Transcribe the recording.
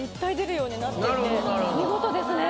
見事ですね。